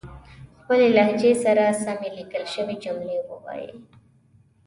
خپلې لهجې سره سمې ليکل شوې جملې وايئ